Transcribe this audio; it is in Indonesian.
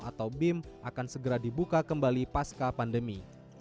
atau bim akan segera dibuka kembali pasca pandemi